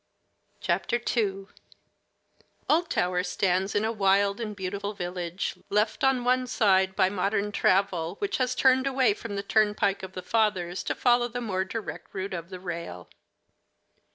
II Oldtower stands in a wild and beautiful village, left on one side by modern travel, which has turned away from the turnpike of the fathers to follow the more direct route of the rail.